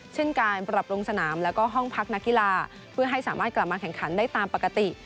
เช่นการปรับลงสนามแล้วก็ห้องพักนักกีฬาเพื่อให้สามารถกลับมาแข่งขันได้ตามปกติ